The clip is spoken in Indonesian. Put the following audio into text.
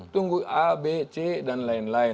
tunggu a b c dan lain lain